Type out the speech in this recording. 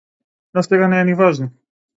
Но сега не е ни важно.